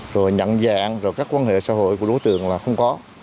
rồi nhận dạng rồi các quan hệ xã hội của đối tượng là không có